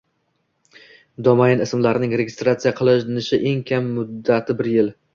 Domain ismlarning registratsiya qilinishi eng kam muddati bir yil